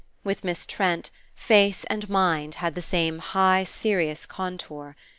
With Miss Trent, face and mind had the same high serious contour.